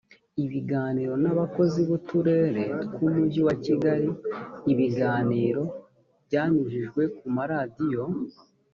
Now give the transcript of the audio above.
ibiganiro n abakozi b uturere tw umujyi wa kigali ibiganiro byanyujijwe ku maradiyo